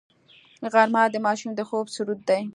غرمه د ماشوم د خوب سرود دی